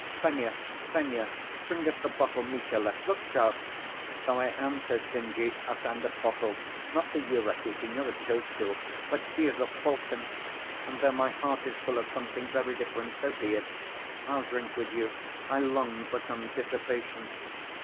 Fenya, Fenya, bring us the bottle Mitya left! Look sharp! Though I am so stingy, I'll stand a bottle, not for you, Rakitin, you're a toadstool, but he is a falcon! And though my heart is full of something very different, so be it, I'll drink with you. I long for some dissipation."